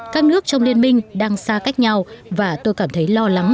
các nước trong liên minh đang xa cách nhau và tôi cảm thấy lo lắng